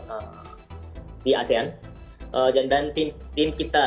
ada di nomor satu dan dua